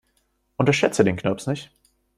Unterschätze den Knirps nicht.